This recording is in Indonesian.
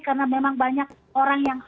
karena memang banyak orang yang